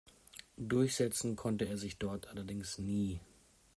Durchsetzen konnte er sich dort allerdings nie.